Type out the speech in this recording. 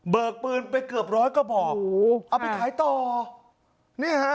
กปืนไปเกือบร้อยกระบอกโอ้โหเอาไปขายต่อเนี่ยฮะ